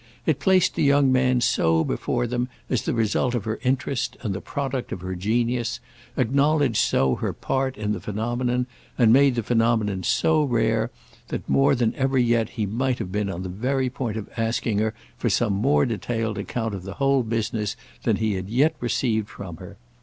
It placed the young man so before them as the result of her interest and the product of her genius, acknowledged so her part in the phenomenon and made the phenomenon so rare, that more than ever yet he might have been on the very point of asking her for some more detailed account of the whole business than he had yet received from her.